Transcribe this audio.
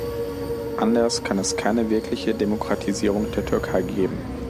Anders kann es keine wirkliche Demokratisierung der Türkei geben.